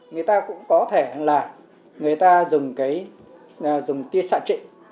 người ta có thể là người ta dùng cái dùng tia xai trị